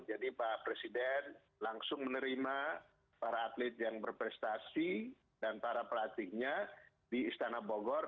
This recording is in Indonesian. jadi pak presiden langsung menerima para atlet yang berprestasi dan para pelatihnya di istana bogor